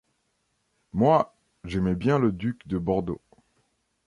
Moi, j’aimais bien le duc de Bordeaux.